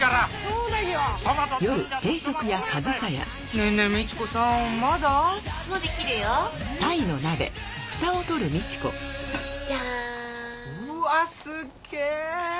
うわすっげえ。